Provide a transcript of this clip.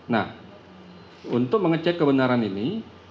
nah untuk mengecek kebenaran ini